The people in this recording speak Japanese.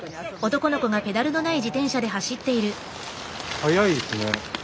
速いですね。